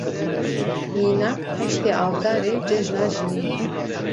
Mînak, heştê Avdarê Cejna Jinê ye.